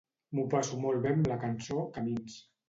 M'ho passo molt bé amb la cançó "Camins".